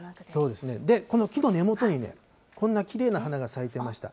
この木の根元にね、こんなきれいな花が咲いてました。